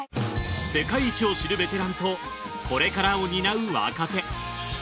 世界一を知るベテランとこれからを担う若手。